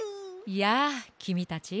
やあきみたち。